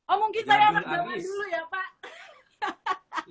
oh mungkin saya anak zaman dulu ya pak